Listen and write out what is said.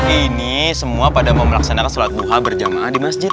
ini semua pada mau melaksanakan sholat duha berjamaah di masjid